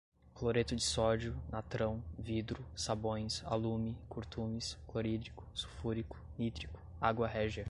cloreto de sódio, natrão, vidro, sabões, alume, curtumes, clorídrico, sulfúrico, nítrico, água régia